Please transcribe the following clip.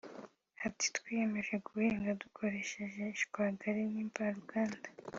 Ati”Twiyemeje guhinga dukoresheje ishwagara n’imvaruganda